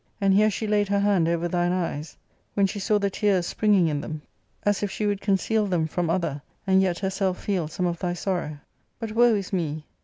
And here she laid her hand over thine eyes, wheh\ she saw the tears springing in them, as if she would conceal them from other and yet herself feel some of thy sorrow.' But woe is me